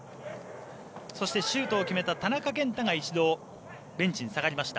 そして、シュートを決めた田中健太が一度ベンチに下がりました。